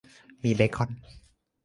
มีเบคอน